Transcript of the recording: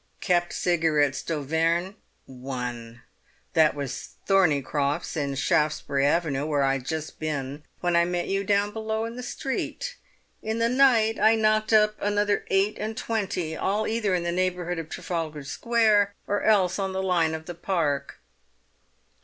Kept Cigarettes d'Auvergne—one. That was Thornycroft's in Shaftesbury Avenue, where I'd just been when I met you down below in the street. In the night I knocked up other eight and twenty, all either in the neighbourhood of Trafalgar Square or else on the line of the Park."